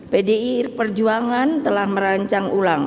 pdi perjuangan telah merancang ulang